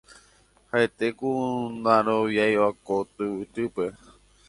ha'ete ku ndaroviáiva ko tyvytýpe jeju